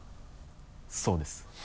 そうです。